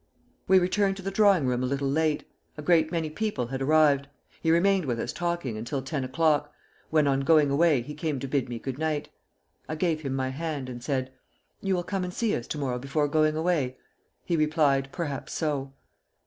"We returned to the drawing room a little late. A great many people had arrived. He remained with us talking until ten o'clock, when on going away he came to bid me good night. I gave him my hand, and said: 'You will come and see us tomorrow before going away?' He replied: 'Perhaps so.'